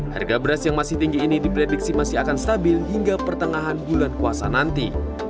harga beras yang masih tinggi ini diprediksi masih akan stabil hingga pertengahan bulan puasa nanti